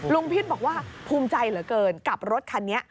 พิษบอกว่าภูมิใจเหลือเกินกับรถคันนี้